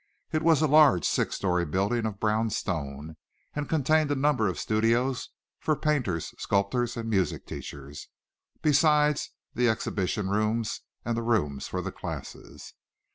It was a large six storey building of brown stone, and contained a number of studios for painters, sculptors, and music teachers, besides the exhibition rooms and the rooms for the classes.